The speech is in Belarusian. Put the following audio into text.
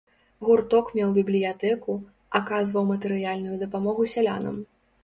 Гурток меў бібліятэку, аказваў матэрыяльную дапамогу сялянам.